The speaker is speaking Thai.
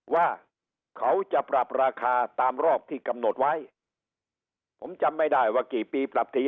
ว่าเขาจะปรับราคาตามรอบที่กำหนดไว้ผมจำไม่ได้ว่ากี่ปีปรับที